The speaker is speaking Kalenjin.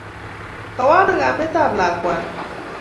Kawo ano kametap lakwani?